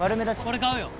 これ買うよ。